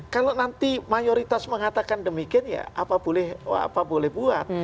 kalau nanti mayoritas mengatakan demikian ya apa boleh buat